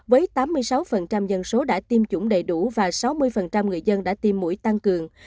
với tám mươi sáu dân số đã tiêm chủng đầy đủ và sáu mươi người dân đã tiêm mũi tăng cường